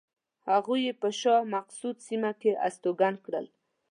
هغوی یې په شاه مقصود سیمه کې استوګن کړل.